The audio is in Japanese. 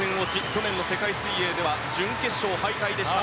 去年の世界水泳では準決勝敗退でした。